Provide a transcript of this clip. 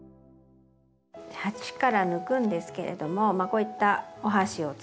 鉢から抜くんですけれどもこういったお箸を使ってですね